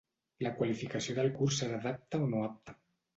La qualificació del curs serà d'apte o no apte.